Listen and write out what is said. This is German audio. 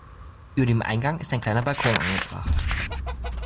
Über dem Eingang ist ein kleiner Balkon angebracht.